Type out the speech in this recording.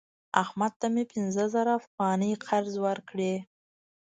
احمد ته مې پنځه زره افغانۍ قرض ورکړی